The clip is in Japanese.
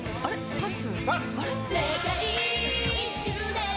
パス